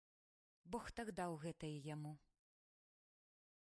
Бог так даў гэтая яму.